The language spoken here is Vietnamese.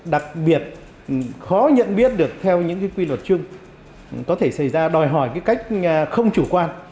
đặc biệt khó nhận biết được theo những cái quy luật chung có thể xảy ra đòi hỏi cái cách không chủ quan